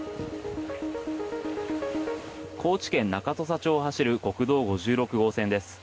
高知県中土佐町を走る国道５６号線です。